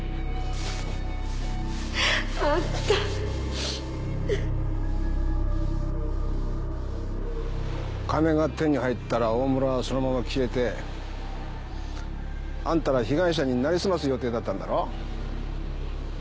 あんた金が手に入ったらオオムラはそのまま消えてあんたら被害者に成りすます予定だったんだろ？